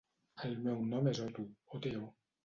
El meu nom és Oto: o, te, o.